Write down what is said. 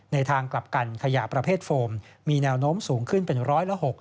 ทางกลับกันขยะประเภทโฟมมีแนวโน้มสูงขึ้นเป็นร้อยละ๖๐